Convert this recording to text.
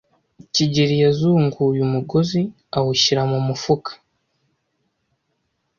kigeli yazunguye umugozi awushyira mu mufuka.